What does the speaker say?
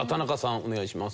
お願いします。